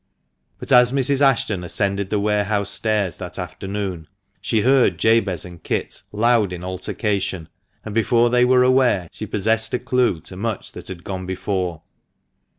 But as Mrs. Ashton ascended the warehouse stairs that afternoon, she heard Jabez and Kit loud in altercation, and before they were aware she possessed a clue to much that had gone before.